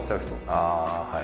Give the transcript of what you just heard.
ああはい。